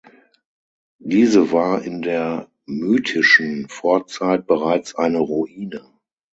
Diese war in der mythischen Vorzeit bereits eine Ruine.